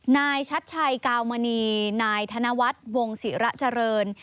นายชัดชัยกาวมณีนายธนวัฒน์วงศิระเจริญ